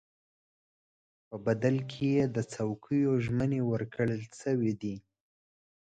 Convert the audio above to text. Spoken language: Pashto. په بدل کې یې د چوکیو ژمنې ورکړل شوې دي.